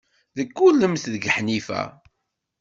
Teggullemt deg Ḥnifa.